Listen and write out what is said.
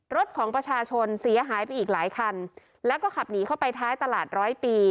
รถของประชาชนเสียหายไปอีกหลายคันแล้วก็ขับหนีเข้าไปท้ายตลาดร้อยปี